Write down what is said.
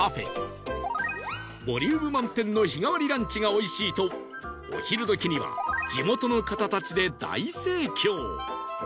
ボリューム満点の日替わりランチがおいしいとお昼時には地元の方たちで大盛況